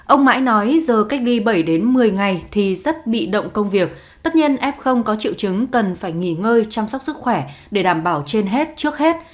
ông mãi nói giờ cách ly bảy đến một mươi ngày thì rất bị động công việc tất nhiên f có triệu chứng cần phải nghỉ ngơi chăm sóc sức khỏe để đảm bảo trên hết trước hết